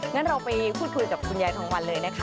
งั้นเราไปพูดคุณยายทางวันเลยนะคะ